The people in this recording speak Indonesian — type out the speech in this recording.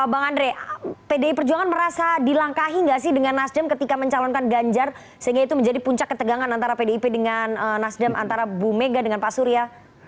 bang andre pdi perjuangan merasa dilangkahi nggak sih dengan nasdem ketika mencalonkan ganjar sehingga itu menjadi puncak ketegangan antara pdip dengan nasdem antara bu mega dengan pak surya